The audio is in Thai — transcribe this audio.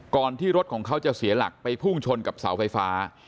ที่รถของเขาจะเสียหลักไปพุ่งชนกับเสาไฟฟ้า